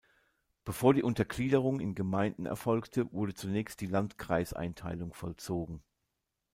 Bevor die Untergliederung in Gemeinden erfolgte, wurde zunächst die Landkreis-Einteilung vollzogen.